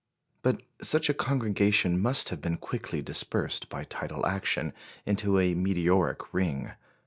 But such a congregation must have been quickly dispersed, by tidal action, into a meteoric ring.